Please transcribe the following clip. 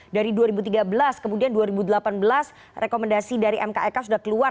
dari dua ribu tiga belas kemudian dua ribu delapan belas rekomendasi dari mkek sudah keluar